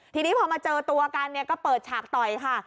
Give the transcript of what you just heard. ทีนี้พอมาเจอตัวกันเนี่ยก็เปิดฉากต่อยค่ะ